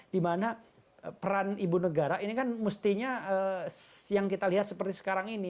dimana peran ibu negara ini kan mestinya yang kita lihat seperti sekarang ini